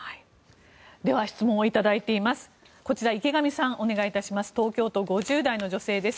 では質問をいただいています。